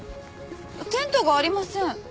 テントがありません。